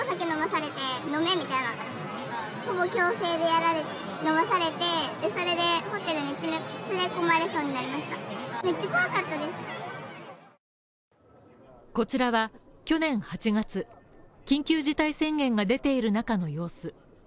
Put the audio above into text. こちらは去年８月、緊急事態宣言が出ている中の様子。